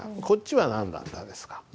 こっちは何だったですか？